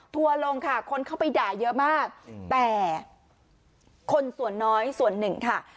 ลงค่ะคนเข้าไปด่าเยอะมากแต่คนส่วนน้อยส่วนหนึ่งค่ะ